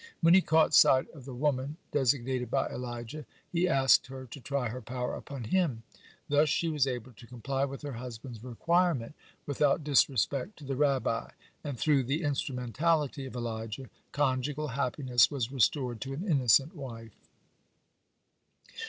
When he caught sight of the woman designated by Elijah, he asked her to try her power upon him. Thus she was able to comply with her husband's requirement without disrespect to the Rabbi; and through the instrumentality of Elijah conjugal happiness was restored to an innocent wife.